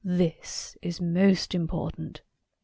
This is most important!"